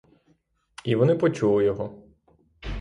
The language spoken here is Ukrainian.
І вони почули його.